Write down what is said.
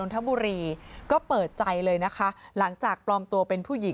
ครอบครัวก็แค่พูดว่าอย่าลืมตัวเองนะว่าจะเป็นผู้ชาย